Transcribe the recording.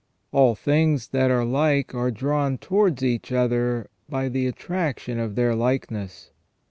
All things that are like are drawn towards each other by the attraction of their like ness.